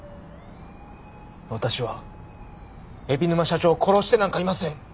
私は海老沼社長を殺してなんかいません。